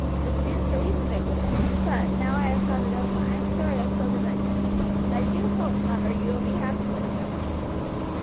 It stands to reason they wouldn't; but, now I have thought it over, I am sorry I spoke as I did, and I do hope, mother, you will be happy with him."